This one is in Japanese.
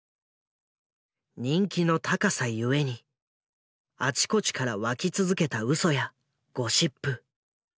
人気の高さゆえにあちこちから湧き続けたウソやゴシップ。